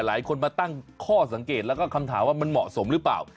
หลายคนมาตั้งข้อสังเกตแล้วก็คำถามว่ามันเหมาะสมหรือเปล่า